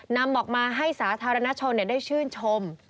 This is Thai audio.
นำออกมาให้สาธารณชนได้ชื่นชม